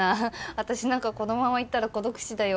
私なんかこのままいったら孤独死だよ。